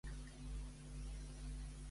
Fins i tot a en Basi?